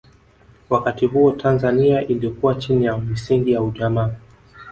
wakati huo tanzania ilikuwa chini ya misingi ya ujamaa